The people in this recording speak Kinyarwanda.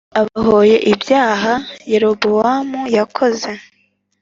abahoye ibyaha Yerobowamu yakoze